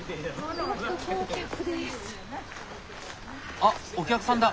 あっお客さんだ。